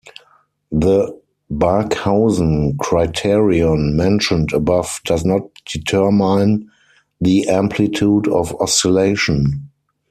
The Barkhausen criterion mentioned above does not determine the amplitude of oscillation.